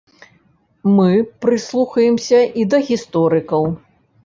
Мы прыслухаемся і да гісторыкаў.